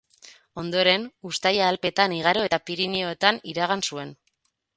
Ondoren, uztaila Alpeetan igaro eta Pirinioetan iragan zuen.